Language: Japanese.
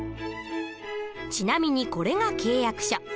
ちなみにこれが契約書。